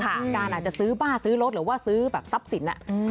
คุณการอาจจะซื้อบ้านซื้อรถหรือว่าซื้อแบบทรัพย์สิน